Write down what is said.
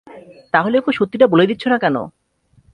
তাহলে ওকে সত্যিটা বলে দিচ্ছ না কেন?